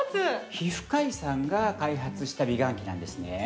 皮膚科医さんが開発した美顔器なんですね。